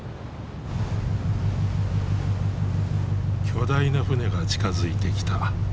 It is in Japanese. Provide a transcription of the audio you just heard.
巨大な船が近づいてきた。